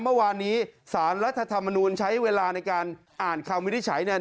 เมื่อวานนี้สารรัฐธรรมนูลใช้เวลาในการอ่านคำวินิจฉัยเนี่ย